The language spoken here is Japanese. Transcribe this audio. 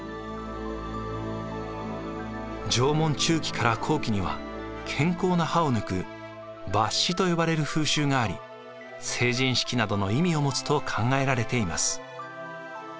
縄文中期から後期には健康な歯を抜く抜歯と呼ばれる風習があり成人式などの意味を持つと考えられています。